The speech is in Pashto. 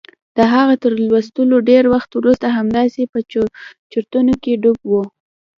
د هغه تر لوستلو ډېر وخت وروسته همداسې په چورتونو کې ډوب و.